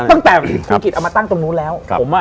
ตั้งแต่มีกลิ่นกินเอามาตั้งตรงนู้นแล้ว